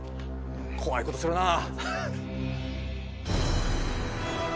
怖いことするなぁ。